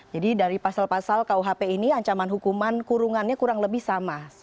jadi dari pasal pasal kuhp ini ancaman hukuman kurungannya kurang lebih sama